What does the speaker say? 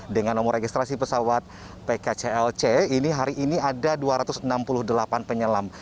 dengan nomor registrasi pesawat pkclc ini hari ini ada dua ratus enam puluh delapan penyelam